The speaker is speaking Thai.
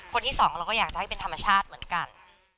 คนที่สองเราก็อยากจะให้เป็นธรรมชาติเหมือนกัน